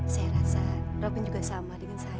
saya rasa robin juga sama dengan saya